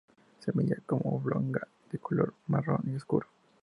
Semilla poco oblonga, de color marrón oscuro.